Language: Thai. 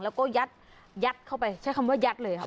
แล้วก็ยัดเข้าไปใช้คำว่ายัดเลยค่ะ